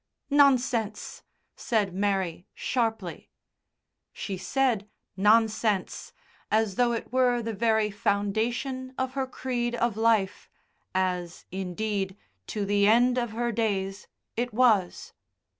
"Nonsense," said Mary sharply. She said "nonsense" as though it were the very foundation of her creed of life as, indeed, to the end of her days, it was.